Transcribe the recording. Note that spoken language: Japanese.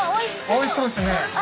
おいしそうですね。